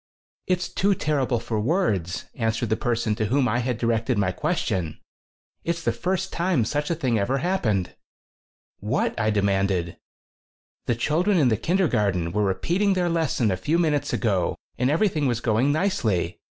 "It's too terrible for words," an swered the person to whom I had directed my question. "It's the first time such a thing ever happened." "What?" I demanded. 14 "The children in the kindergarten were repeating their lesson a few minutes ago and everything was going nicely.